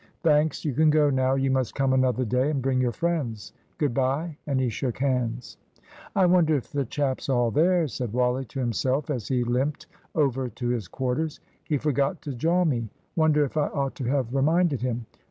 "Thanks. You can go now. You must come another day and bring your friends. Good bye," and he shook hands. "I wonder if the chap's all there," said Wally to himself as he limped over to his quarters. "He forgot to jaw me. Wonder if I ought to have reminded him?